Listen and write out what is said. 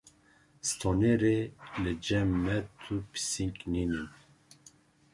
Stonêrê: Li cem me tu pising nînin.